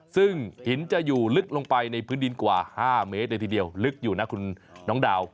ซึ่งหินจะอยู่ลึกลงไปในพื้นดินกว่า๕เมตรเลยทีเดียวลึกอยู่นะคุณน้องดาว